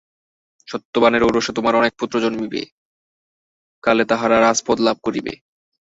সত্যবানের ঔরসে তোমার অনেক পুত্র জন্মিবে, কালে তাহারা রাজপদ লাভ করিবে।